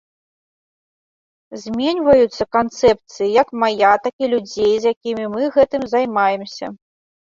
Зменьваюцца канцэпцыі як мая, так і людзей, з якімі мы гэтым займаемся.